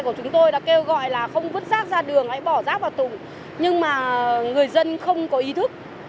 của chúng tôi đã kêu gọi là không vứt rác ra đường hay bỏ rác vào tủ nhưng mà người dân không có ý thức